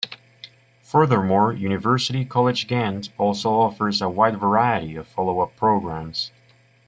Furthermore, University College Ghent also offers a wide variety of follow-up programmes.